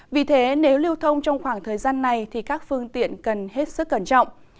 vì thế nếu lưu thông trong khoảng thời gian này thì các phương tiện cần hết sức cẩn trọng